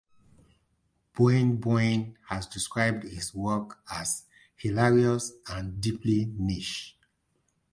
Boing Boing has described his work as "hilarious" and "deeply niche".